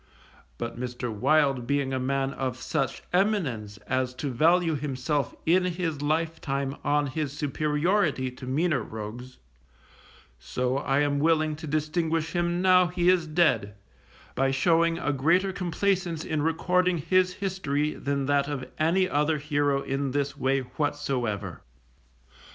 But Mr. Wild being a man of such eminence as to value himself in his life time on his superiority to meaner rogues; so I am willing to distinguish him now he is dead, by showing a greater complaisance in recording his history than that of any other hero in this way whatsoever.